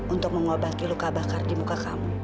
untuk mengobati luka bakar di muka kamu